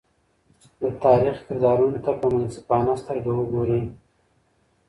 د تاریخ کردارونو ته په منصفانه سترګه وګورئ.